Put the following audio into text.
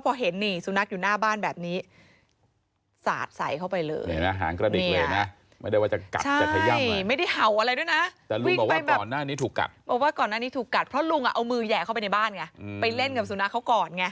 เพราะลุงเอามือแหงเข้าไปในบ้านไงไปเล่นกับสุนัขเขาก่อนไง